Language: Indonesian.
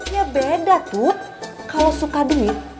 ya beda tut kalau suka duit